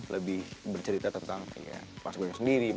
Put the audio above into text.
lebih bercerita tentang mas gong sendiri